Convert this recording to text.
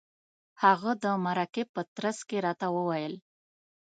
هغه د مرکې په ترڅ کې راته وویل.